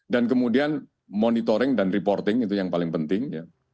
dan kemudian monitoring dan reporting itu yang paling penting